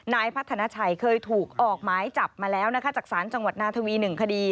นายพัฒนาชัยเคยถูกออกหมายจับมาแล้วนะคะจากศาลจังหวัดนาทวี๑คดี